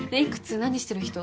何してる人？